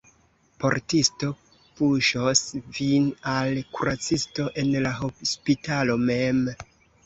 Portisto puŝos vin al kuracisto en la hospitalo mem!